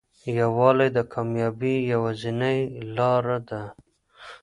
یووالی د کامیابۍ یوازینۍ لاره ده.